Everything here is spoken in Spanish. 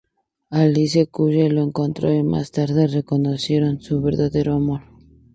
Alice Cullen lo encontró y más tarde reconocieron su verdadero amor.